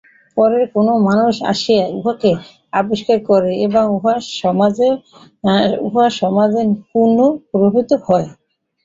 পরে কোন মানুষ আসিয়া উহাকে আবিষ্কার করে এবং উহা সমাজে পুন প্রবর্তিত হয়।